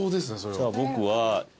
じゃあ僕は。